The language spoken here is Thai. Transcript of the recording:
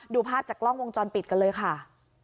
ดูภาพจากกล้องวงจรปิดกันเลยค่ะ